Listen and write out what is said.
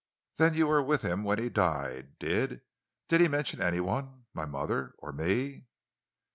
"Then you were with him when he died. Did—did he mention anyone—my mother—or me?"